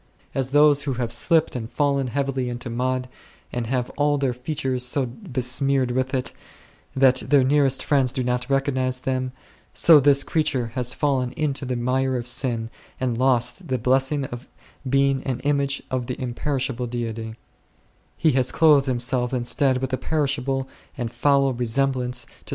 As those who have slipped and fallen heavily into mud, and have all their features so besmeared with it, that their nearest friends do not recog nize them, so this creature has fallen into the mire of sin and lost the blessing of being an image of the imperishable Deity ; he has clothed himself instead with a perishable and foul re semblance to something else ; and this Reason 5 apyelv.